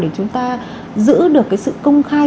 để chúng ta giữ được cái sự công khai